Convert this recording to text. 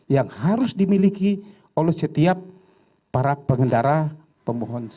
yang harus dimiliki oleh setiap para pengendara pemohon